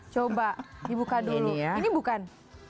coba dibuka dulu ini bukan